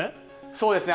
そうですね。